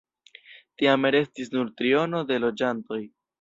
Tiam restis nur triono de loĝantoj.